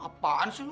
apaan sih lu